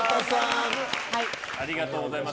ありがとうございます。